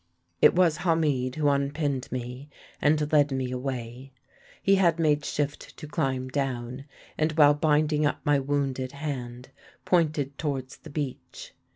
"It was Hamid who unpinned me and led me away. He had made shift to climb down, and while binding up my wounded hand pointed towards the beach.